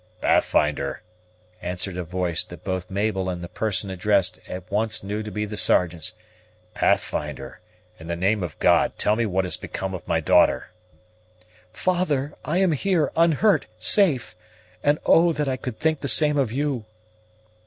"Pathfinder!" answered a voice that both Mabel and the person addressed at once knew to be the Sergeant's, "Pathfinder, in the name of God, tell me what has become of my daughter." "Father, I am here, unhurt, safe! and oh that I could think the same of you!"